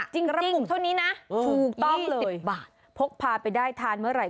กระปุกเท่านี้นะถูกต้องเลย๑๐บาทพกพาไปได้ทานเมื่อไหร่